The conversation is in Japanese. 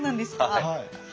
はい。